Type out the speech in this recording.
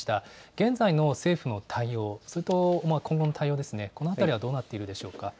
現在の政府の対応、それと今後の対応、この辺りはどうなっているでしょうか。